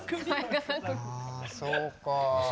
あそうか。